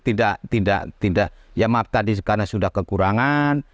tidak tidak ya maaf tadi karena sudah kekurangan